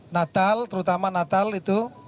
natal terutama natal itu